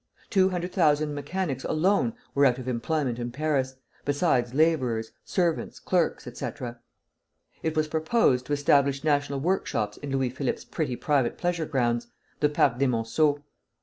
Two hundred thousand mechanics alone were out of employment in Paris, besides laborers, servants, clerks, etc. It was proposed to establish national workshops in Louis Philippe's pretty private pleasure grounds, the Parc des Monceaux.